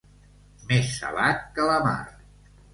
Més salat que la mar.